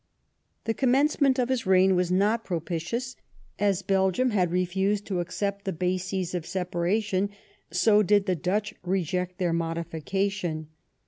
The commencement of his reign was not propitious. As Belgium had refused to accept the bases of separa tion, so did the Dutch reject their modification.